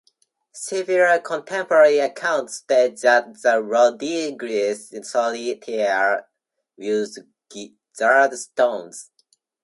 Several contemporary accounts state that the Rodrigues solitaire used gizzard stones.